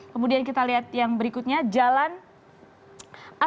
kemudian kita lihat yang berikutnya jalan